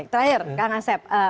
terakhir kak ngasep